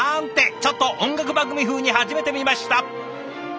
ちょっと音楽番組風に始めてみました。